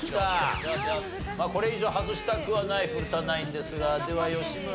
これ以上外したくはない古田ナインですがでは吉村。